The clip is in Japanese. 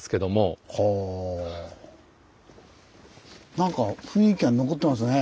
なんか雰囲気が残ってますね。